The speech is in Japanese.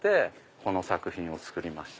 この作品を作りました。